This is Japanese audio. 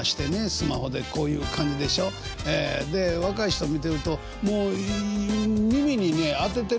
スマホでこういう感じでしょ？で若い人見てるともう耳にね当ててるだけでね